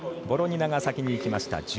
ボロニナが先に行きました。